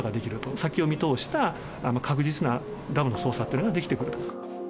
先を見通した確実なダムの操作っていうのができてくる。